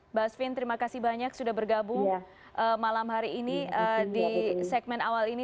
mbak asvin terima kasih banyak sudah bergabung malam hari ini di segmen awal ini